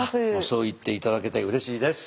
そう言って頂けてうれしいです。